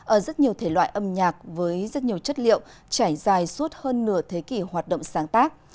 ở rất nhiều thể loại âm nhạc với rất nhiều chất liệu trải dài suốt hơn nửa thế kỷ hoạt động sáng tác